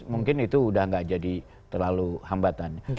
mungkin itu sudah enggak jadi terlalu hambatan